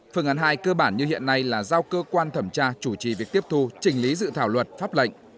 phương án hai cơ bản như hiện nay là giao cơ quan thẩm tra chủ trì việc tiếp thu chỉnh lý dự thảo luật pháp lệnh